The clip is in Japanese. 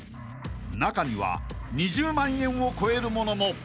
［中には２０万円を超える物も］